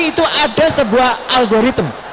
itu ada sebuah algoritem